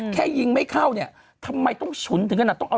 แค่ยิงไม่เข้าเนี่ยทำไมต้องฉุนถึงขนาดต้องเอา